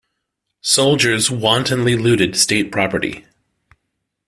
Soldiers wantonly looted state property.